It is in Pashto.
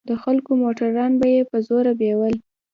د خلکو موټران به يې په زوره بيول.